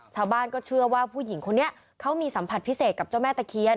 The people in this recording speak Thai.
ชาวบ้านก็เชื่อว่าผู้หญิงคนนี้เขามีสัมผัสพิเศษกับเจ้าแม่ตะเคียน